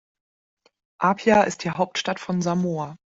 Apia ist die Hauptstadt von Samoa.